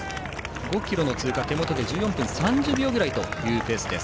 ５ｋｍの通過は手元で１４分３０秒くらいというペースです。